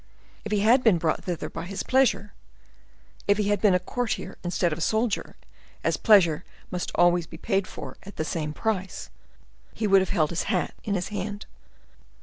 If he had been brought thither by his pleasure—if he had been a courtier instead of a soldier, as pleasure must always be paid for at the same price—he would have held his hat in his hand.